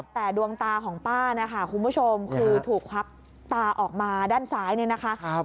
แต่ดวงตาของป้านะคะคุณผู้ชมคือถูกควักตาออกมาด้านซ้ายเนี่ยนะคะ